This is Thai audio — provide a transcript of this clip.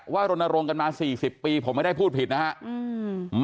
รณรงค์กันมาสี่สิบปีผมไม่ได้พูดผิดนะครับ